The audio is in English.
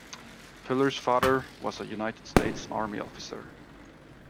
Puller's father was a United States Army officer.